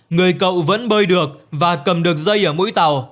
người cậu vẫn bơi được và cầm được dây ở mũi tàu